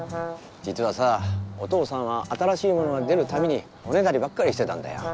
じつはさお父さんは新しいものが出るたびにおねだりばっかりしてたんだよ。